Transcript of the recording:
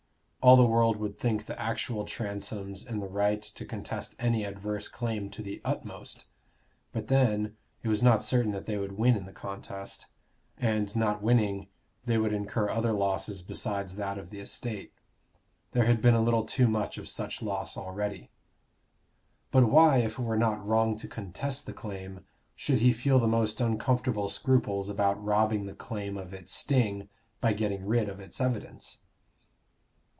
All the world would think the actual Transomes in the right to contest any adverse claim to the utmost. But then it was not certain that they would win in the contest; and not winning, they would incur other losses besides that of the estate. There had been a little too much of such loss already. But why, if it were not wrong to contest the claim, should he feel the most uncomfortable scruples about robbing the claim of its sting by getting rid of its evidence?